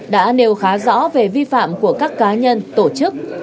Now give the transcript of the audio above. đã nêu khá rõ về vi phạm của các cá nhân tổ chức